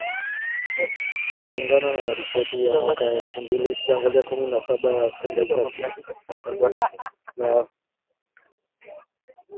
Kulingana na ripoti ya mwaka elfu mbili kumi Saba ya kundi la kimazingira la muungano wa afia na uchafuzi .